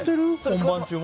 本番中も？